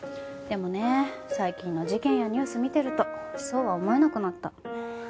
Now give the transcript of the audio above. でもね最近の事件やニュース見てるとそうは思えなくなった。